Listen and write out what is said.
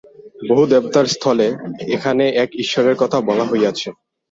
বহু দেবতার স্থলে এখানে এক ঈশ্বরের কথা বলা হইয়াছে।